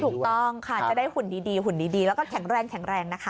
ถูกต้องค่ะจะได้หุ่นดีแล้วก็แข็งแรงนะคะ